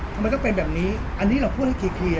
ทำไมจะเป็นแบบนี้อันนี้เราพูดให้เคลียร์